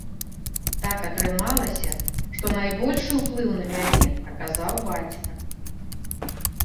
Так атрымалася, што найбольшы ўплыў на мяне аказаў бацька.